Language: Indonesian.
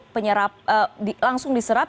penyerap langsung diserap